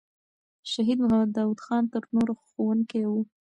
شهید محمد داود خان تر نورو ښوونکی وو.